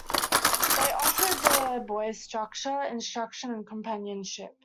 They offered the boys structure, instruction and companionship.